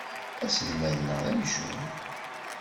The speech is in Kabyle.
Aselmad-nneɣ d amcum.